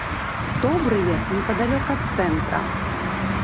Добрыя, непадалёк ад цэнтра.